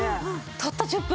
たった１０分。